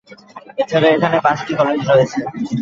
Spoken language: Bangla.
এছাড়াও এখানে পাঁচটি কলেজ রয়েছে।